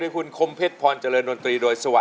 ทุกคนนี้ก็ส่งเสียงเชียร์ทางบ้านก็เชียร์